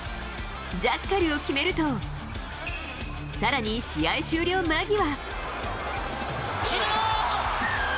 ジャッカルを決めると、さらに試合終了間際。